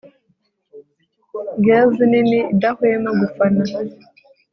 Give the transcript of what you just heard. gales nini idahwema gufana,